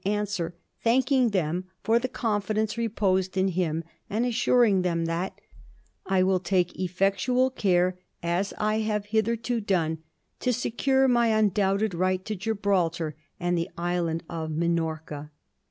xix, answer thanking them for the confidence reposed in him, and assuring them that ^ I will take effectual care, as I have hitherto done, to secure my undoubted right to Gibraltar and the island of Minorca.'